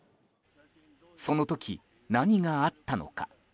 その時、何があったのか。